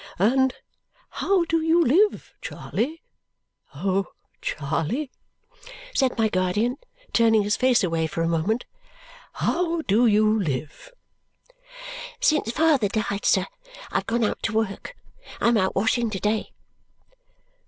"And how do you live, Charley? Oh! Charley," said my guardian, turning his face away for a moment, "how do you live?" "Since father died, sir, I've gone out to work. I'm out washing to day."